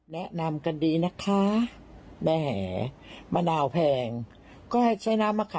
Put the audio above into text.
แนะนำกันดีนะคะแม่แม่มะนาวแพงก็ใช้น้ำมะขำเต็ม